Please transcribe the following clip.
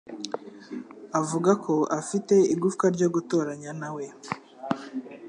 Avuga ko afite igufwa ryo gutoranya nawe.